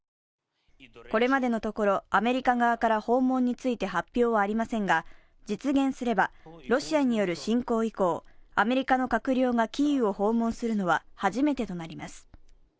これまでのところアメリカ側から訪問について発表はありませんが実現すれば、ロシアによる侵攻以降アメリカの閣僚がキーウを訪問するのは初めてとなります。